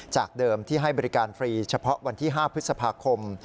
จากเดิมที่ให้บริการฟรีเฉพาะวันที่๕พฤษภาคม